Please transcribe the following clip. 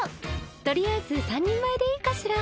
取りあえず３人前でいいかしら？